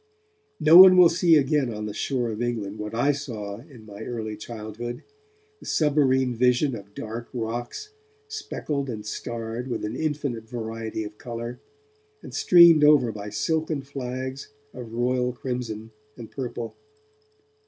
No one will see again on the shore of England what I saw in my early childhood, the submarine vision of dark rocks, speckled and starred with an infinite variety of colour, and streamed over by silken flags of royal crimson and purple.